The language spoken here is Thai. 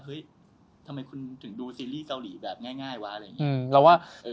เฮ้ยทำไมคุณถึงดูซีรีส์เซาหลีแบบง่ายวะ